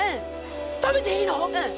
食べていいの？